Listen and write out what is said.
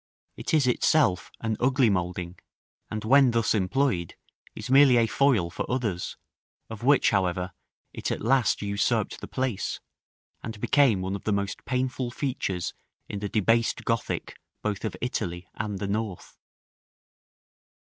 It is itself an ugly moulding, and, when thus employed, is merely a foil for others, of which, however, it at last usurped the place, and became one of the most painful features in the debased Gothic both of Italy and the North.